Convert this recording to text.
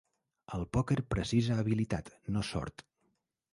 El pòquer precisa habilitat, no sort.